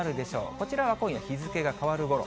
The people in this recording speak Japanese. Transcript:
こちらは今夜、日付が変わるころ。